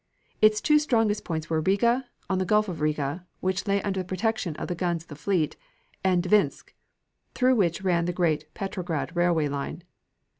Its two strongest points were Riga, on the Gulf of Riga, which lay under the protection of the guns of the fleet, and Dvinsk, through which ran the great Petrograd Railway line.